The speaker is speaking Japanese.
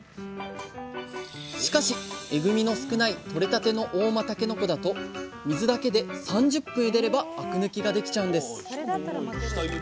しかしえぐみの少ないとれたての合馬たけのこだと水だけで３０分ゆでればあく抜きができちゃうんです！